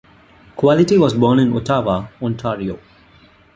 Quilty was born in Ottawa, Ontario.